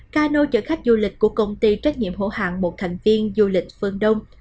cano chở khách du lịch của công ty trách nhiệm hữu hạng một thành viên du lịch phương đông